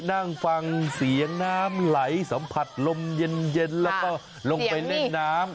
นั่งฟังเสียงน้ำไหลสัมผัสลมเย็นแล้วก็ลงไปเล่นน้ำ